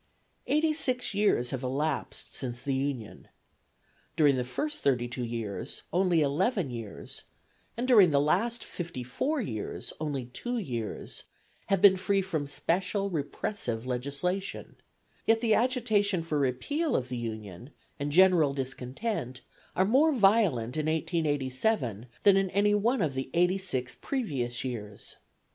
Eighty six years have elapsed since the Union. During the first thirty two years only eleven years, and during the last fifty four years only two years have been free from special repressive legislation; yet the agitation for repeal of the Union, and general discontent, are more violent in 1887 than in any one of the eighty six previous years.